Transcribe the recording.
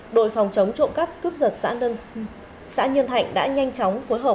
đội phòng chống trộm cắp cướp giật xã nhân hạnh đã nhanh chóng phối hợp